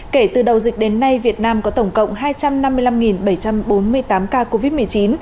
kể từ đầu dịch đến nay việt nam có tổng cộng hai trăm năm mươi năm bảy trăm bốn mươi tám ca covid một mươi chín